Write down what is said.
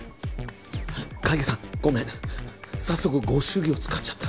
影さんごめん早速ご祝儀を使っちゃった。